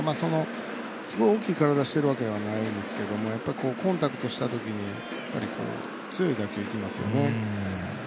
すごい大きい体してるわけではないですけどやっぱり、コンタクトしたときに強い打球きますよね。